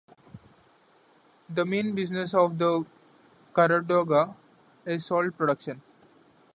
The main business of the Kharaghoda is salt production.